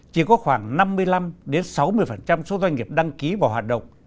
chỉ có khoảng năm mươi năm sáu mươi số doanh nghiệp đăng ký vào hoạt động